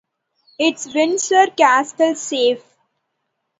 Is Windsor Castle safe?